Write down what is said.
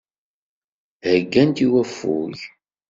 Heggant i waffug.